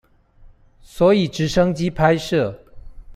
所以直升機拍攝